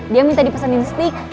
dia minta dipesan instik